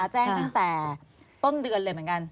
แจ้งตั้งแต่ต้นเดือนเลยเหมือนกัน